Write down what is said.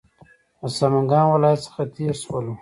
د سمنګانو ولایت څخه تېر شولو.